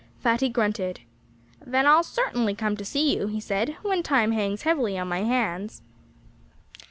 Fatty grunted. "Then I'll certainly come to see you," he said, "when time hangs heavily on my hands."